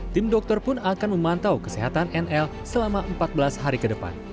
tim dokter pun akan memantau kesehatan nl selama empat belas hari ke depan